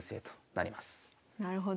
なるほど。